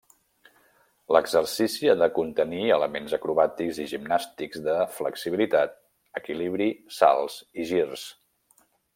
L'exercici ha de contenir elements acrobàtics i gimnàstics de flexibilitat, equilibri, salts i girs.